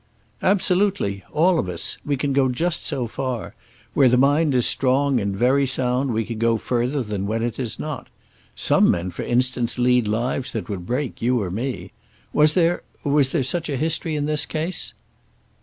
"Absolutely. All of us. We can go just so far. Where the mind is strong and very sound we can go further than when it is not. Some men, for instance, lead lives that would break you or me. Was there was there such a history in this case?"